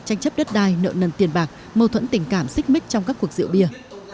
tranh chấp đất đai nợ nần tiền bạc mâu thuẫn tình cảm xích mít trong các cuộc rượu bia